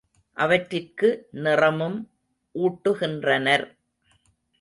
அவற்றிற்கு நிறமும் ஊட்டுகின்றனர்.